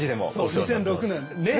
２００６年ね。